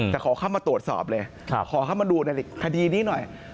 แต่ขอเข้ามาตรวจสอบเลยขอเข้ามาดูในคดีนี้หน่อย